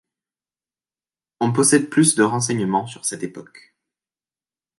On possède plus de renseignements sur cette époque.